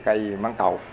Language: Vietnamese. cây mãn cầu